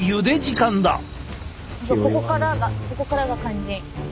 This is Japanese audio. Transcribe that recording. ここからがここからが肝心。